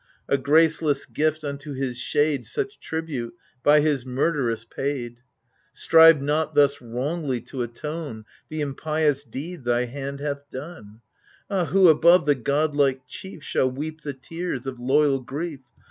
A graceless gift unto his shade Such tribute, by his murd'ress paid ! Strive not thus wrongly to atone The impious deed thy hand hath done. Ah who above the god like chief Shall weep the tears of loyal grief?